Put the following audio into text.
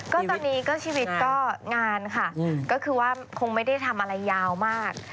ก็ตอนนี้ก็ชีวิตก็งานค่ะก็คือว่าคงไม่ได้ทำอะไรยาวมาก